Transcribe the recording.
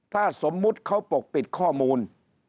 ถ้าสมมุติเขาปกปิดข้อมูล